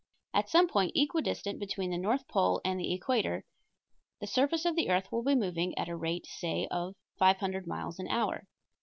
At some point equidistant between the north pole and the equator the surface of the earth will be moving at a rate, say, of 500 miles an hour.